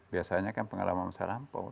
biasanya kan pengalaman masa lampau